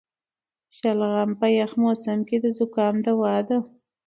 شلغم په یخ موسم کې د زکام دوا ده.